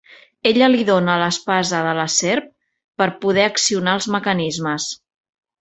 Ella li dóna l'espasa de la serp per poder accionar els mecanismes.